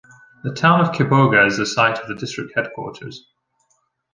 The town of Kiboga is the site of the district headquarters.